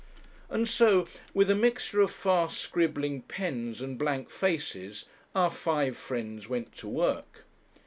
And so, with a mixture of fast scribbling pens and blank faces, our five friends went to work.